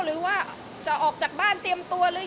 หรือว่าจะออกจากบ้านเตรียมตัวหรือ